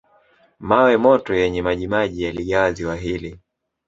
Mawe moto yenye majimaji yaligawa ziwa hili